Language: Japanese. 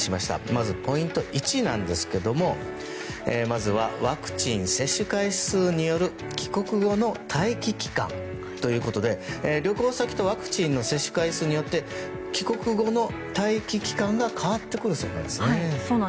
まず、ポイント１はワクチン接種回数による帰国後の待機期間ということで旅行先とワクチンの接種回数によって帰国後の待機期間が変わってくるそうなんですね。